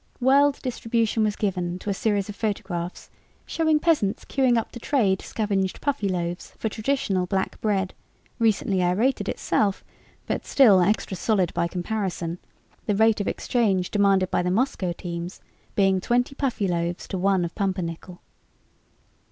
World distribution was given to a series of photographs showing peasants queueing up to trade scavenged Puffyloaves for traditional black bread, recently aerated itself but still extra solid by comparison, the rate of exchange demanded by the Moscow teams being twenty Puffyloaves to one of pumpernickel.